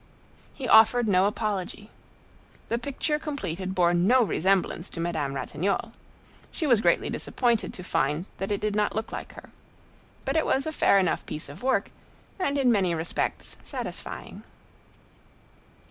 He offered no apology. The picture completed bore no resemblance to Madame Ratignolle. She was greatly disappointed to find that it did not look like her. But it was a fair enough piece of work, and in many respects satisfying.